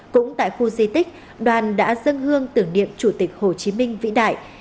cũng tại khu di tích đoàn đã dâng hương tưởng niệm chủ tịch hồ chí minh vĩ đại